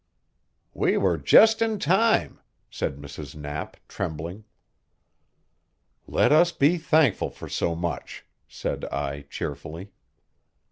"We were just in time," said Mrs. Knapp, trembling. "Let us be thankful for so much," said I cheerfully.